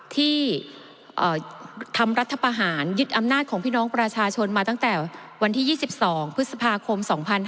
ที่ทำรัฐประหารยึดอำนาจของพี่น้องประชาชนมาตั้งแต่วันที่๒๒พฤษภาคม๒๕๕๙